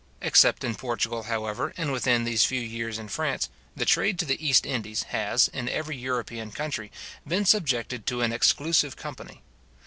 Except in Portugal, however, and within these few years in France, the trade to the East Indies has, in every European country, been subjected to an exclusive company.